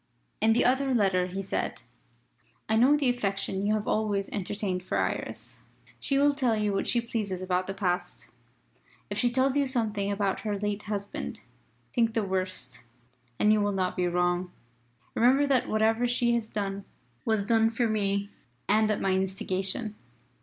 In the other letter he said: "I know the affection you have always entertained for Iris. She will tell you what she pleases about the past. If she tells you nothing about her late husband, think the worst and you will not be wrong. Remember that whatever she has done was done for me and at my instigation.